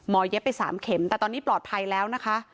เย็บไป๓เข็มแต่ตอนนี้ปลอดภัยแล้วนะคะ